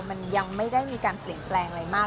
มันยังไม่ได้มีการเปลี่ยนแปลงอะไรมาก